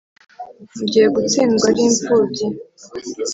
mugihe gutsindwa ari impfubyi